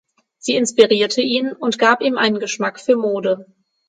Sie inspirierte ihn und gab ihm einen Geschmack für Mode.